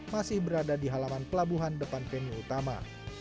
masih berada di halaman pelabuhan depan venue utama